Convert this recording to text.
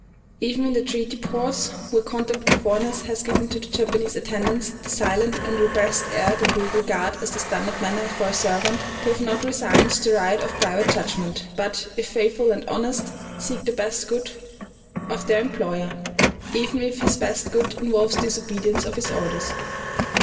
Even in the treaty ports, where contact with foreigners has given to the Japanese attendants the silent and repressed air that we regard as the standard manner for a servant, they have not resigned their right of private judgment, but, if faithful and honest, seek the best good of their employer, even if his best good involves disobedience of his orders.